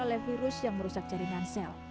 oleh virus yang merusak jaringan sel